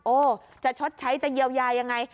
โอ้จะชดใช้จะเยียวยายังไง